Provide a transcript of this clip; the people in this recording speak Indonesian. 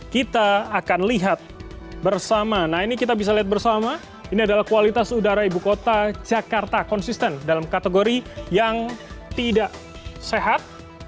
kita akan lihat bersama nah ini kita bisa lihat bersama ini adalah kualitas udara ibu kota jakarta konsisten dalam kategori yang tidak sehat